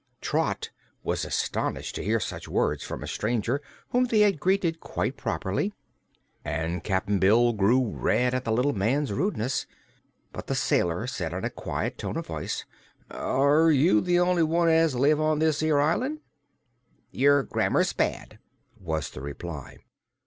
Trot was astonished to hear such words from a stranger whom they had greeted quite properly, and Cap'n Bill grew red at the little man's rudeness. But the sailor said, in a quiet tone of voice: "Are you the only one as lives on this 'ere island?" "Your grammar's bad," was the reply.